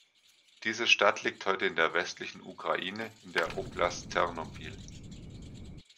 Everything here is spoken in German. Diese Stadt liegt heute in der westlichen Ukraine in der Oblast Ternopil.